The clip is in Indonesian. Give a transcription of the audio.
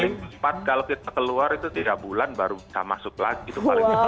paling cepat kalau kita keluar itu tiga bulan baru bisa masuk lagi itu paling cepat